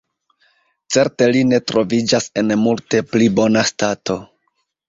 Certe li ne troviĝas en multe pli bona stato.